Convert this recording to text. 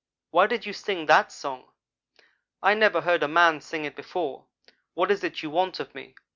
Why do you sing that song? I never heard a man sing it before. What is it you want of me?'